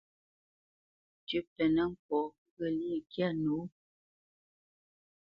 Tʉ́ mbenə́ ŋkɔ̌ ghyə̂lyê ŋkyâ nəwô.